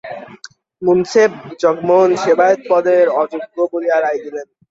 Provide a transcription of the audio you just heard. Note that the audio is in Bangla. মুনসেফ জগমোহনকে সেবায়েত-পদের অযোগ্য বলিয়া রায় দিলেন।